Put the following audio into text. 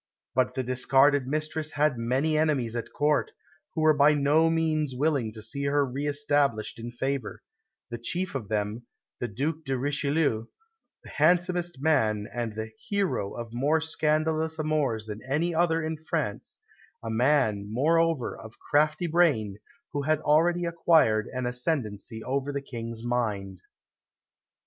But the discarded mistress had many enemies at Court, who were by no means willing to see her re established in favour the chief of them, the Duc de Richelieu, the handsomest man and the "hero" of more scandalous amours than any other in France a man, moreover, of crafty brain, who had already acquired an ascendancy over the King's mind.